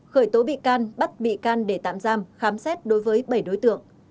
khởi tố bị can bắt bị can để tạm giam khám xét đối với bảy đối tượng